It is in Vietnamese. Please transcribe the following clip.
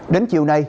đến chiều nay